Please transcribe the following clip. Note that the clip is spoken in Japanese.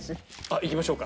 いきましょうか。